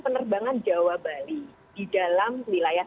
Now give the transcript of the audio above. penerbangan jawa bali di dalam wilayah